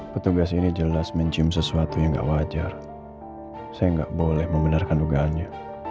petugas ini jelas mencium sesuatu yang nggak wajar saya nggak boleh membenarkan dugaannya